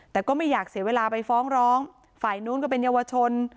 แต่ก็ไม่อยากเสียเวลาไปฟ้องร้องฝ่ายนู้นก็เป็นเยาวชน